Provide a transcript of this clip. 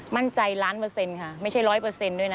มั่นใจล้านเปอร์เซ็นต์ค่ะไม่ใช่ร้อยเปอร์เซ็นต์ด้วยนะ